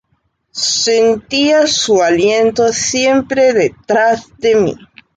Sentía su aliento siempre detrás de mí.